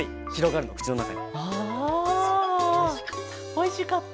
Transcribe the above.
おいしかった。